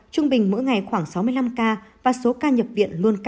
trung bình mỗi ngày khoảng sáu mươi năm ca và số ca nhập viện